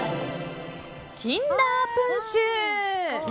キンダープンシュ。